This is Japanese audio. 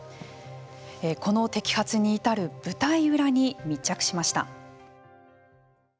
この摘発に至る舞台裏に密着しました。